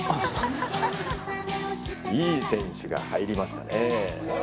いい選手が入りましたね。